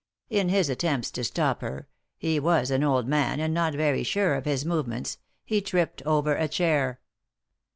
In his attempts to stop her — he was an old man and not very sore of his movements — he tripped over a chair."